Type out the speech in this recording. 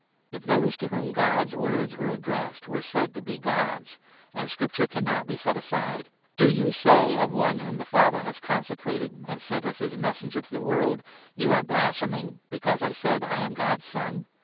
If those to whom God's words were addressed were said to be 35 ' gods '— and Scripture cannot be set aside — do you say of one 36 whom the Father has consecrated and sent as his Messenger to the world ' You are blaspheming,' because I said ' I am God's Son